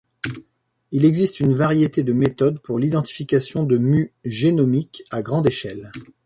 Il existe une variété de méthodes pour l'identification de mues génomiques à grande échelle.